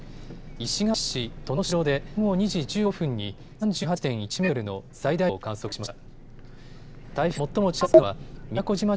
石垣市登野城で午後２時１５分に３８．１メートルの最大瞬間風速を観測しました。